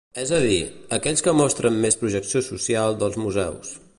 És a dir, aquells que mostren més projecció social dels museus.